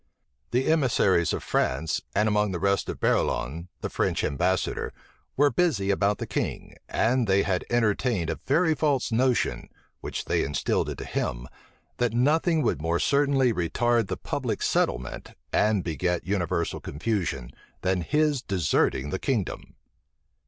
The emissaries of France, and among the rest Barillon, the French ambassador, were busy about the king, and they had entertained a very false notion, which they instilled into him, that nothing would more certainly retard the public settlement, and beget universal confusion, than his deserting the kingdom.